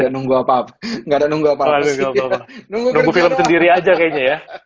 nggak ada nunggu apa apa nunggu film sendiri aja kayaknya ya